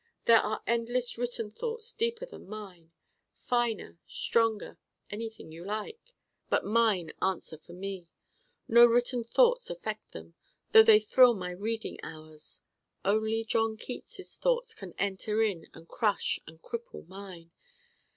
There are endless written thoughts deeper than mine finer, stronger, anything you like. But mine answer for me: no written thoughts affect them, though they thrill my reading hours. Only John Keats's thoughts can enter in and crush and cripple mine.